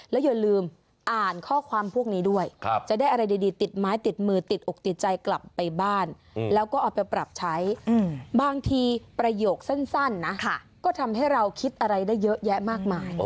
แล้วก็เอาไปปรับใช้บางทีประโยคสั้นก็ทำให้เราคิดอะไรได้เยอะแยะมากมาย